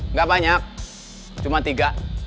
nggak banyak cuma tiga